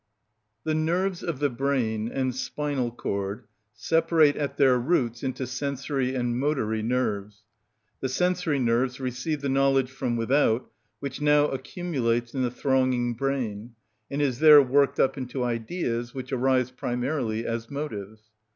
The nerves of the brain and spinal cord separate at their roots into sensory and motory nerves. The sensory nerves receive the knowledge from without, which now accumulates in the thronging brain, and is there worked up into ideas, which arise primarily as motives.